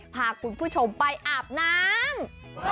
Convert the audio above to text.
พาคุณผู้ชมไปอาบน้ำ